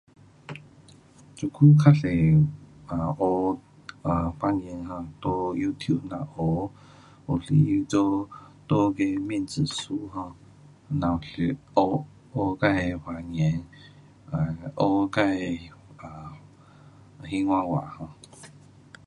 这久较多学方言 um 在 Youtube 那里学，有时做，在那个面子书 um 那里学，学自的方言，学自的兴华话 um